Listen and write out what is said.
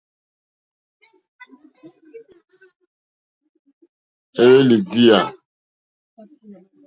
Éhwélì díyà.